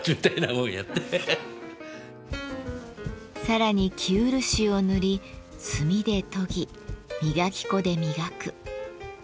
さらに生漆を塗り炭で研ぎ磨き粉で磨く。